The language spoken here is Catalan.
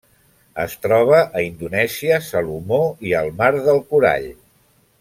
Es troba a Indonèsia, Salomó i el Mar del Corall.